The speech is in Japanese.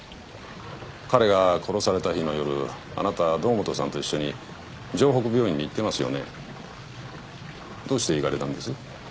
彼が殺された日の夜あなた堂本さんと一緒に城北病院に行ってますよねどうして行かれたんです？